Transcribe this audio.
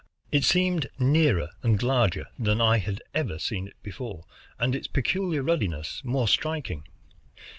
It seemed nearer and larger than I had ever seen it before, and its peculiar ruddiness more striking.